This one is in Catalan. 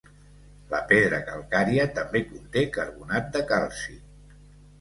La pedra calcària també conté carbonat de calci.